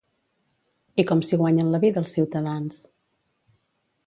I com s'hi guanyen la vida els ciutadans?